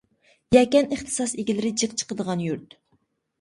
يەكەن ئىختىساس ئىگىلىرى جىق چىقىدىغان يۇرت.